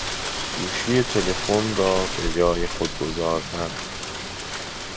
گوشی تلفون را بجای خود گذاردن